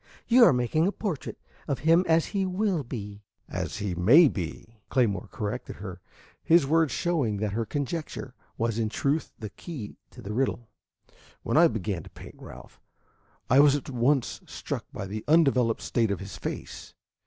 You are making a portrait of him as he will be." "As he may be," Claymore corrected her, his words showing that her conjecture was in truth the key to the riddle. "When I began to paint Ralph, I was at once struck by the undeveloped state of his face.